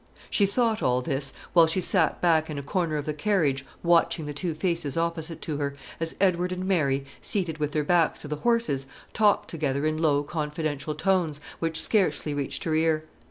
She thought all this, while she sat back in a corner of the carriage watching the two faces opposite to her, as Edward and Mary, seated with their backs to the horses, talked together in low confidential tones, which scarcely reached her ear.